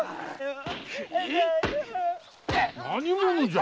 何者じゃ？